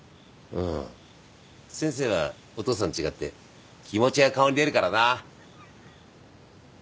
先生はお父さんと違って気持ちが顔に出るからな。